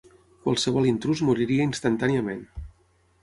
Qualsevol intrús moriria instantàniament.